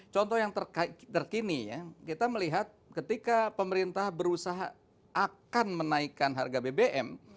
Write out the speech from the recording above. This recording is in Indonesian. contoh yang terkini ya kita melihat ketika pemerintah berusaha akan menaikkan harga bbm